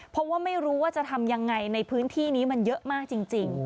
เพราะว่าไม่รู้ว่าจะทำยังไงในพื้นที่นี้มันเยอะมากจริง